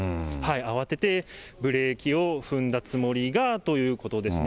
慌ててブレーキを踏んだつもりがということですね。